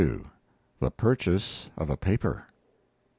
LXXII.THE PURCHASE OF A PAPER.